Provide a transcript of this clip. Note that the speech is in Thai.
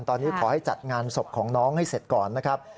ตอนนี้ขอให้จัดงานศพของน้องให้เสร็จก่อนนะครับ